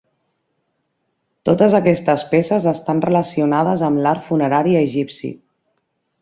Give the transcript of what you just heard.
Totes aquestes peces estan relacionades amb l'art funerari egipci.